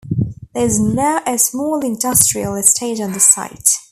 There is now a small industrial estate on the site.